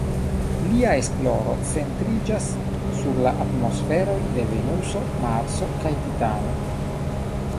Lia esploro centriĝas sur la atmosferoj de Venuso, Marso kaj Titano.